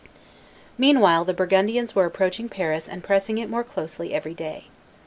Meanwhile the Burgundians were approaching Paris and pressing it more closely every day.